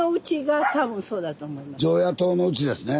常夜燈のうちですね。